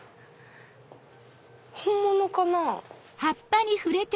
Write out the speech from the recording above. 本物かな？